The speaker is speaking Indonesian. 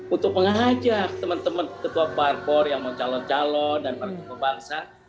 untuk mengajak teman teman ketua parpor yang mau calon calon dan para pembangsa